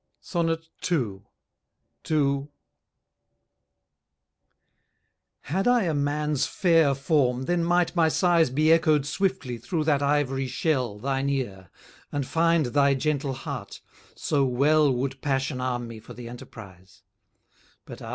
II. TO Had I a man's fair form, then might my sighs Be echoed swiftly through that ivory shell, Thine ear, and find thy gentle heart; so well Would passion arm me for the enterprize: But ah!